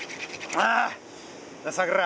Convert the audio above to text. なあさくら。